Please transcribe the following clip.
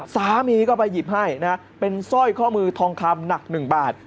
สามีก็ไปหยิบให้นะเป็นสร้อยข้อมือทองคำหนัก๑บาท